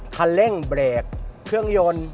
คันเร่งเบรกเครื่องยนต์